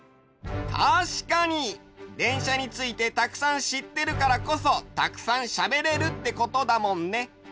たしかにでんしゃについてたくさんしってるからこそたくさんしゃべれるってことだもんね。